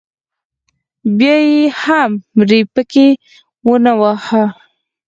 بیا یې هم ری پکې ونه واهه.